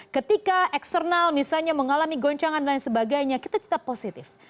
ketika eksternal misalnya mengalami goncangan dan lain sebagainya kita tetap positif